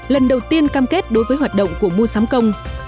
lần đầu tiên cam kết đối với hoạt động của mua sắm công